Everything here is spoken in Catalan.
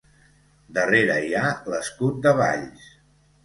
Darrere hi ha l'escut de Valls.